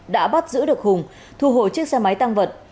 đã bắt giữ được hùng thu hồi chiếc xe máy tăng vật